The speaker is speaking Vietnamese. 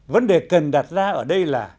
vấn đề cần đặt ra ở đây là